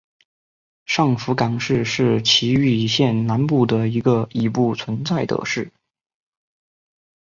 上福冈市是崎玉县南部的一个已不存在的市。